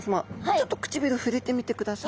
ちょっと唇触れてみてください。